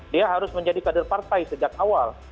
dia harus menjadi kader partai sejak awal